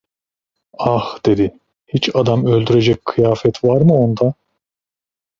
"Ah" dedi, "hiç adam öldürecek kıyafet var mı onda!"